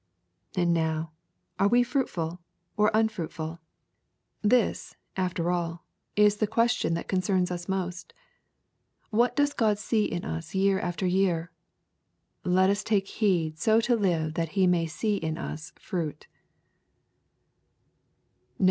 And now are we fruitful or unfruitful ? This, after LUKE, CHAP. XIII. 117 all, is the question that concerns us most. What doeg God see in us year after year ? Let us take heed so to live that He may see in us fruit.